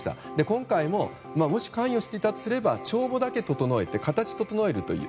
今回ももし関与していたとすれば帳簿だけ整えて形を整えるという。